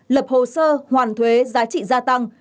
lập hồ sơ hoàn thuế giá trị gia tăng